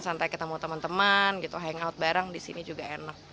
santai ketemu teman teman hangout bareng disini juga enak